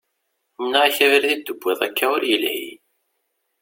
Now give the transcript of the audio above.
Nniɣ-ak abrid i d-tuwiḍ akka ur yelhi.